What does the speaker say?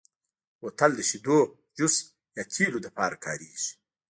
بوتل د شیدو، جوس، یا تېلو لپاره کارېږي.